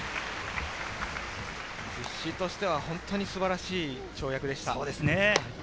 実施としては本当に素晴らしい跳躍でした。